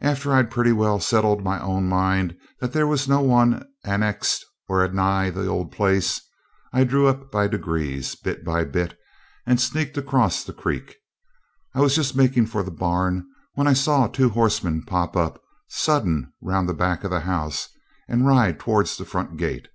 After I'd pretty well settled in my own mind that there was no one anext or anigh the old place, I drew up by degrees, bit by bit, and sneaked across the creek. I was just making for the barn when I saw two horsemen pop up sudden round the back of the house and ride towards the front gate.